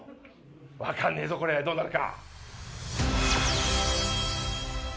分かんねえぞ、これどうなるか。